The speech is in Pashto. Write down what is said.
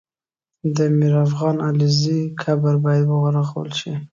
د میرافغان علیزي قبر باید ورغول سي